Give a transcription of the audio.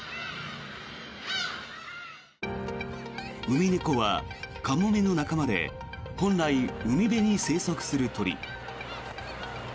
ウミネコはカモメの仲間で本来、海辺に生息する鳥。